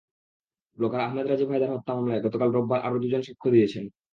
Blogger Ahmed Rajib Haider হত্যা মামলায় গতকাল রোববার আরও দুজন সাক্ষ্য দিয়েছেন।